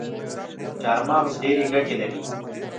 چارمغز ډیري ګټي لري